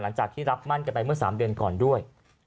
หลังจากที่รับมั่นกันไปเมื่อ๓เดือนก่อนด้วย